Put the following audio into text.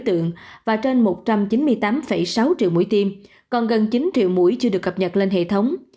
tượng và trên một trăm chín mươi tám sáu triệu mũi tiêm còn gần chín triệu mũi chưa được cập nhật lên hệ thống